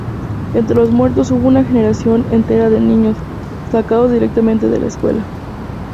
Entre los muertos hubo una generación entera de niños, sacados directamente de la escuela.